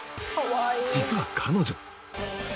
実は彼女。